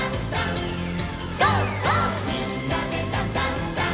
「みんなでダンダンダン」